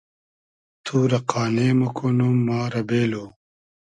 تو رۂ قانې موکونوم ما رۂ بېلو